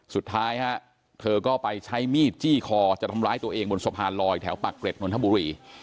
สุดท้ายฮะเธอก็ไปใช้มีดจี้คอจะทำร้ายตัวเองบนสะพานลอยแถวปากเกร็ดนนทบุรี